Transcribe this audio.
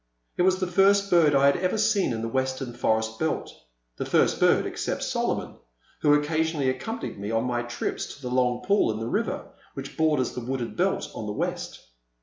It was the first bird I had ever seen in the western forest belt — the first bird except Solomon, who occasionally accompanied me on my trips to the long pool in the river which borders the wooded belt on the west.